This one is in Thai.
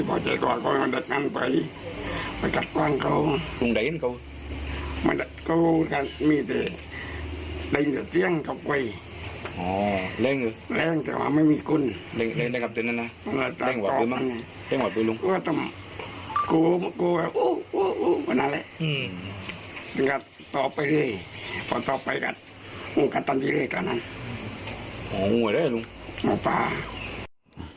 พอต่อไปกันผมกันตั้งทีเลยตอนนั้นผมก็ได้ลูกออกไป